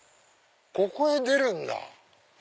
ここへ出るんだ。